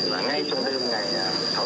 và ngay trong đêm ngày sáu tháng bảy